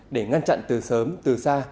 để ngăn chặn từ sớm từ xa